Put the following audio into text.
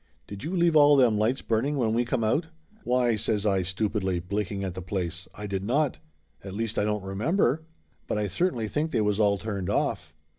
"Did you leave all them lights burning when we come out ?" "Why," says I, stupidly, blinking at the place, "I did not ! At least I don't remember. But I certainly think they was all turned off!"